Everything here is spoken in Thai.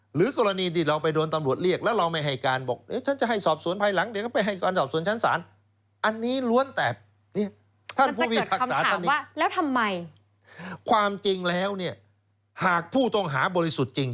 หรือกรณีที่เราไปโดนตำรวจเรียกแล้วเราไม่ให้การ